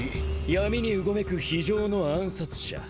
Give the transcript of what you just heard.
闇にうごめく非情の暗殺者。